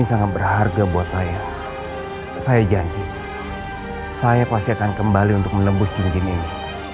saya pasti akan kembali untuk menembus jinjin ini